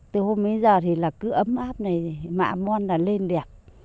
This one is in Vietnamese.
từ hôm bây giờ cứ ấm áp này mạ mon là lên đẹp